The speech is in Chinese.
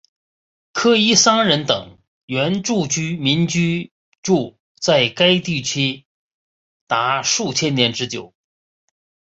科伊桑人等原住民居住在该地区达数千年之久。